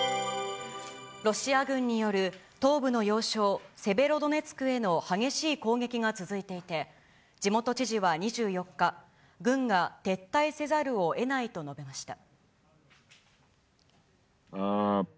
ロシア軍による東部の要衝セベロドネツクへの激しい攻撃が続いていて、地元知事は２４日、軍が撤退せざるをえないと述べました。